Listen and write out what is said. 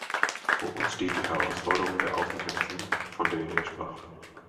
Vor uns steht die Herausforderung der Außengrenzen, von der er sprach.